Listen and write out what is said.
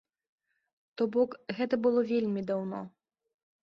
То бок, гэта было вельмі даўно.